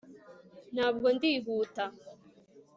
Ntabwo ndihuta